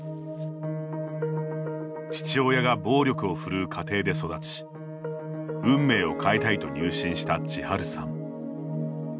父親が暴力を振るう家庭で育ち運命を変えたいと入信したちはるさん。